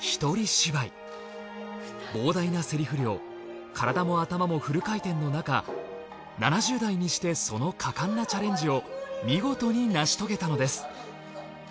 膨大なセリフ量体も頭もフル回転のなか７０代にしてその果敢なチャレンジを見事に成し遂げたのです。